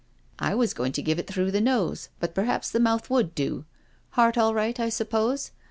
" I was going to give it through the nose, but per haps the mouth would do. Heart all right, I suppose?"